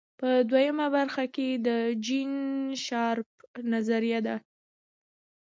په دویمه برخه کې د جین شارپ نظریه ده.